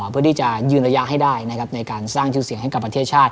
เพื่อที่จะยืนระยะให้ได้นะครับในการสร้างชื่อเสียงให้กับประเทศชาติ